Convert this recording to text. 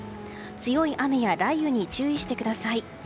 強い雨や雷雨に注意してください。